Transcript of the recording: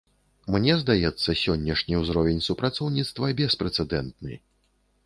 Мне здаецца, сённяшні ўзровень супрацоўніцтва беспрэцэдэнтны.